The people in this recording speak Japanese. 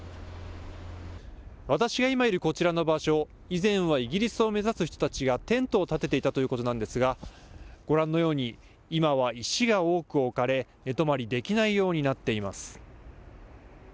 私が今いるこちらの場所、以前はイギリスを目指す人たちがテントを建てていたということなんですが、ご覧のように、今は石が多く置かれ、寝泊まりできないようになっています。